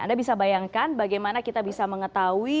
anda bisa bayangkan bagaimana kita bisa mengetahui